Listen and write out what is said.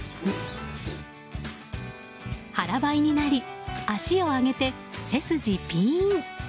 腹ばいになり脚を上げて背筋ピーン！